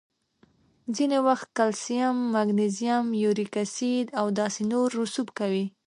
ځینې وخت کلسیم، مګنیزیم، یوریک اسید او داسې نور رسوب کوي.